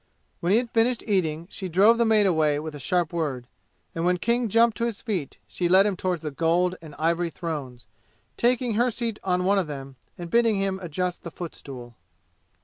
When he had finished eating she drove the maid away with a sharp word; and when King jumped to his feet she led him toward the gold and ivory thrones, taking her seat on one of them and bidding him adjust the footstool.